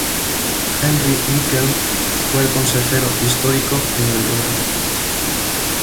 Henri Michel fue el consejero histórico en el rodaje.